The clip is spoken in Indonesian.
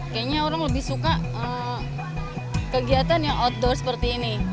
kayaknya orang lebih suka kegiatan yang outdoor seperti ini